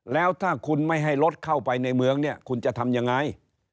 แล้วถ้าคุณไม่ให้รถเข้าไปในเมืองเนี่ยคุณจะทำยังไง